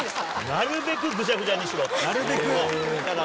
なるべくぐじゃぐじゃにしろと。